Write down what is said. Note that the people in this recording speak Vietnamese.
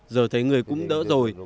giờ thấy người cũng đỡ rồi